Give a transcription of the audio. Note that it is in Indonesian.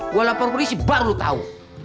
gue lapor polisi baru tahu